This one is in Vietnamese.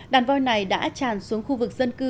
đàn voi này đã tràn xuống khu vực dân cư